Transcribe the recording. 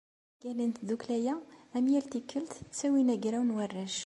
Iεeggalen n tdukkla-a, am yal tikkelt, ttawin agraw n warrac.